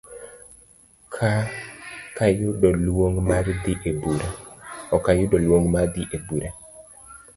Okayudo luong mar dhi ebura